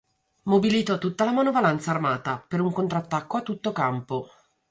Mobilitò tutta la manovalanza armata per un contrattacco a tutto campo.